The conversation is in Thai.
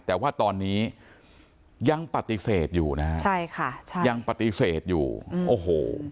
แต่ว่าตอนนี้ยังปฏิเสธอยู่นะฮะใช่ค่ะใช่ยังปฏิเสธอยู่โอ้โห